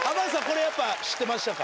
これやっぱ知ってましたか？